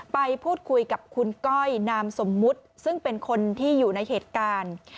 ไปพูดคุยกับคุณก้อยนามสมมุติซึ่งเป็นคนที่อยู่ในเหตุการณ์